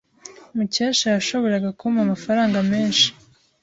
Mukesha yashoboraga kumpa amafaranga menshi.